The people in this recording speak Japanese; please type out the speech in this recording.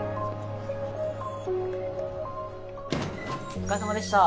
お疲れさまでした。